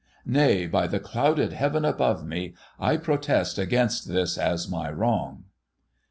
Nay, by the clouded Heaven above me, I protest against this as my wrong